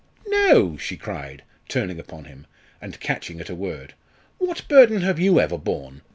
no!" she cried, turning upon him, and catching at a word; "what burden have you ever borne?